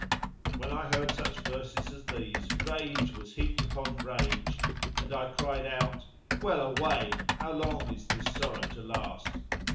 When I heard such verses as these rage was heaped upon my rage I cried out:—Well away! how long is this sorrow to last?